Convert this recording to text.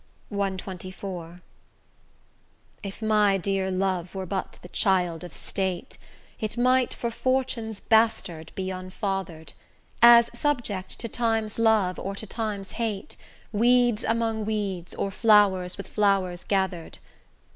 CXXIV If my dear love were but the child of state, It might for Fortune's bastard be unfather'd, As subject to Time's love or to Time's hate, Weeds among weeds, or flowers with flowers gather'd.